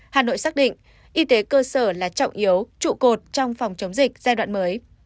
hà nội xác định y tế cơ sở là trọng yếu trụ cột trong phòng chống dịch giai đoạn mới